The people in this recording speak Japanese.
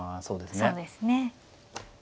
そうですね。